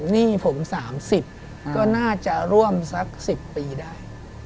หนี้ผม๓๐ก็น่าจะร่วมสัก๑๐ปีได้